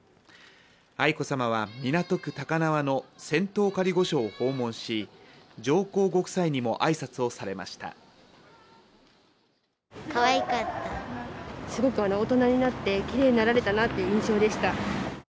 愛子さまは港区高輪の仙洞仮御所を訪問し、上皇ご夫妻にも挨拶をされました。